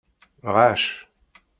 Ɣacc.